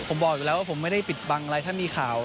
ผมบอกอยู่แล้วว่าผมไม่ได้ปิดบังอะไรถ้ามีข่าว